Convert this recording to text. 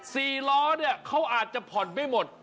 สี่ล้อเขาอาจจะพอดไม่หมด